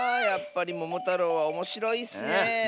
やっぱり「ももたろう」はおもしろいッスねえ。